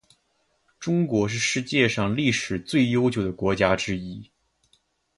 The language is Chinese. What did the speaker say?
中国是世界上历史最悠久的国家之一。